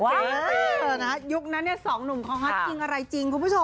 ว้าวยุคนั้นสองหนุ่มของฮาร์ดจริงอะไรจริง